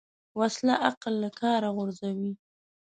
وسله عقل له کاره غورځوي